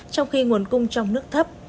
trong khi nguồn cung trong nước thấp